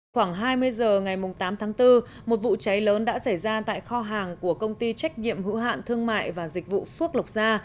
khoảng hai mươi h ngày tám tháng bốn một vụ cháy lớn đã xảy ra tại kho hàng của công ty trách nhiệm hữu hạn thương mại và dịch vụ phước lộc gia